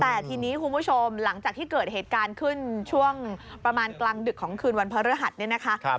แต่ทีนี้คุณผู้ชมหลังจากที่เกิดเหตุการณ์ขึ้นช่วงประมาณกลางดึกของคืนวันพระฤหัสเนี่ยนะคะ